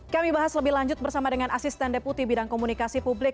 kami bahas lebih lanjut bersama dengan asisten deputi bidang komunikasi publik